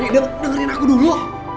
nek dengerin aku dulu